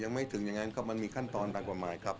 ยังไม่ถึงอย่างนั้นมันมีขั้นตอนต่างกว่าหมายครับ